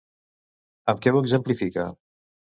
Amb què ho exemplifica?